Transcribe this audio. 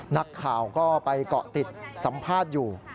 นักข่าวก็ไปเกาะติดสัมภาษณ์อยู่